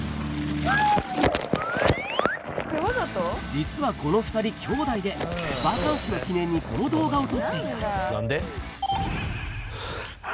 実はこの２人兄弟でバカンスの記念にこの動画を撮っていたう。